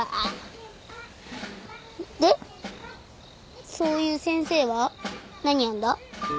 でそういう先生は何やんだ？